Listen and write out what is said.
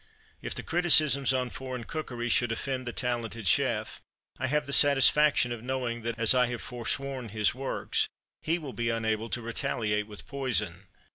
If the criticisms on foreign cookery should offend the talented chef, I have the satisfaction of knowing that, as I have forsworn his works, he will be unable to retaliate with poison.